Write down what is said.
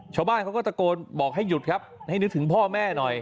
ชาวบ้านเขาก็ตะโกนบอกให้หยุดครับให้นึกถึงพ่อแม่หน่อย